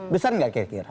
besar tidak kira kira